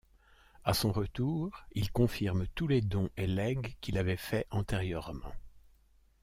A son retour, il confirme tous les dons et legs qu'il avait faits antérieurement.